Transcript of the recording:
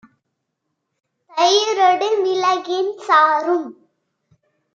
தயிரொடு மிளகின் சாறும்